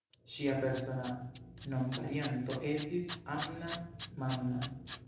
Ŝia persona nomvarianto estis "Anna-manna".